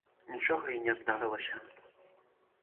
Нічога і не здарылася.